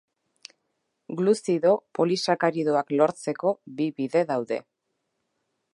Gluzido polisakaridoak lortzeko bi bide daude.